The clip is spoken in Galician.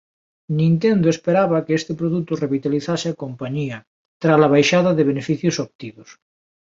Nintendo esperaba que este produto revitalizase a compañía trala baixada de beneficios obtidos.